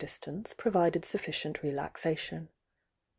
M" provided sufficient relaxation.